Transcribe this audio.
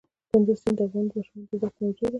کندز سیند د افغان ماشومانو د زده کړې موضوع ده.